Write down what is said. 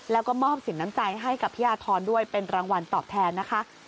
แล้วก็มอบสินน้ำใจให้กับพี่อาทรด้วยเป็นรางวัลตอบแทนนะคะ